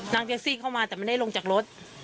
แท็กซี่เข้ามาแต่ไม่ได้ลงจากรถ